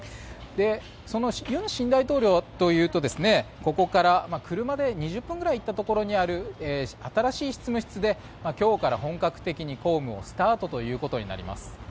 その尹新大統領というとここから車で２０分くらい行ったところにある新しい執務室で今日から本格的に公務をスタートということになります。